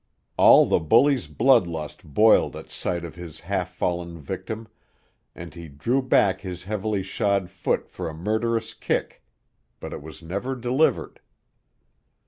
All the bully's blood lust boiled at sight of his half fallen victim, and he drew back his heavily shod foot for a murderous kick, but it was never delivered.